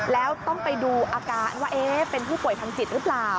แล้วต้องไปดูอาการว่าเป็นผู้ป่วยทางจิตหรือเปล่า